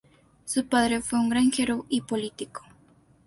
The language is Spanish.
Su padre fue un granjero y político.